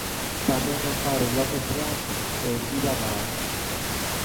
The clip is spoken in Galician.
Tamén Amparo López Jean e Elvira Bao.